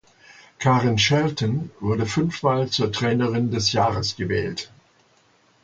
Karen Shelton wurde fünfmal zur Trainerin des Jahres gewählt.